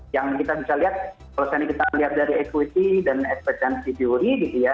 yang kita bisa lihat kalau kita lihat dari equity dan expectancy theory gitu ya